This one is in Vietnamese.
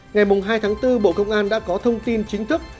ngày hai tháng bốn bộ công an đã có thông tin chính thức